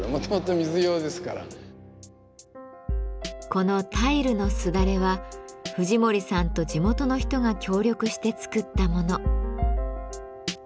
この「タイルのすだれ」は藤森さんと地元の人が協力して作ったもの。